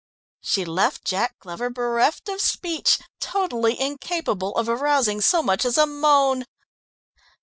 She left Jack Glover bereft of speech, totally incapable of arousing so much as a moan.